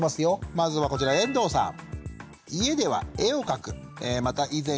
まずはこちら遠藤さん。